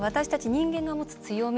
人間が持つ強み